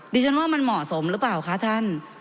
ดิฉันว่ามันเหมาะสมหรือเปล่าคะท่าน